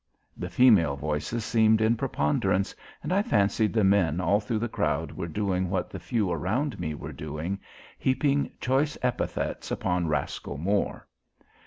The female voices seemed in preponderance and I fancied the men all thru the crowd were doing what the few around me were doing, heaping choice epithets upon Rascal Moore.